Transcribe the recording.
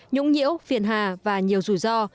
nhũng nhiễu phiền hà và nhiều rủi ro